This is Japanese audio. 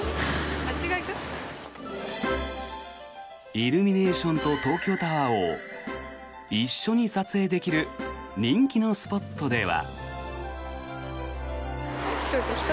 イルミネーションと東京タワーを一緒に撮影できる人気のスポットでは。